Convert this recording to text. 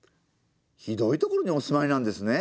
「ひどいところにおすまいなんですネ！！」。